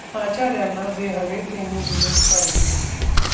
आचार्यांना जे हवे ते मी दिलेच पाहिजे.